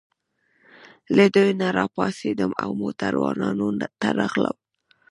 له دوی نه راپاڅېدم او موټروانانو ته راغلم.